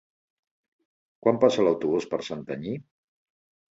Quan passa l'autobús per Santanyí?